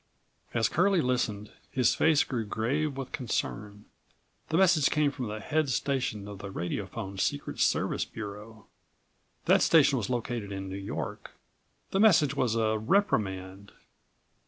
As Curlie listened, his face grew grave with concern. The message came from the head station of the radiophone secret service bureau. That station was located in New York. The message was a reprimand.